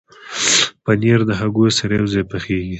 پنېر د هګیو سره یوځای پخېږي.